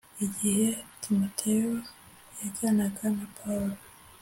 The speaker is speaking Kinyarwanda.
igihe timoteyo yajyanaga na pawulo